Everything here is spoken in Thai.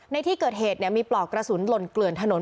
ในที่เกิดเหตุมีปลอกกระสุนหล่นเกลื่อนถนน